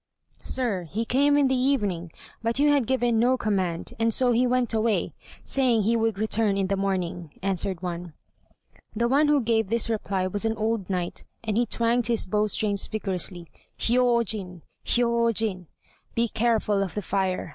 "Sir, he came in the evening, but you had given no command, and so he went away, saying he would return in the morning," answered one. The one who gave this reply was an old knight, and he twanged his bow strings vigorously, "Hiyôjin! hiyôjin!" (Be careful of the fire!